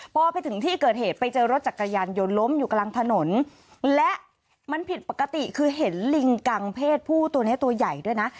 พอไปถึงที่เกิดเหตุไปเจอรถจักรยานยนต์ล้มอยู่กลางถนนและมันผิดปกติคือเห็นลิงกังเพศผู้ตัวเนี้ยตัวใหญ่ด้วยนะ